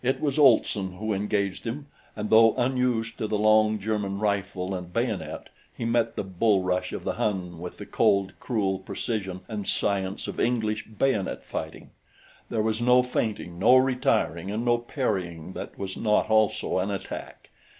It was Olson who engaged him, and though unused to the long German rifle and bayonet, he met the bull rush of the Hun with the cold, cruel precision and science of English bayonet fighting. There was no feinting, no retiring and no parrying that was not also an attack.